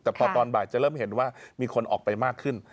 แต่พอตอนบ่ายจะเริ่มเห็นว่ามีคนออกไปมากขึ้น